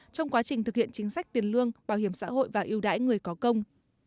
trong quá trình thực hiện chính sách tiền lương bảo hiểm xã hội và yêu đãi người có công